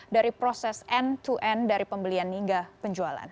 dari proses end to end dari pembelian hingga penjualan